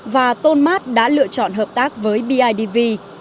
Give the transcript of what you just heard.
và tôn mát đã lựa chọn hợp tác với bidv